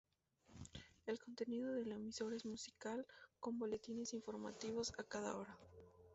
El contenido de la emisora es musical con boletines informativos a cada hora.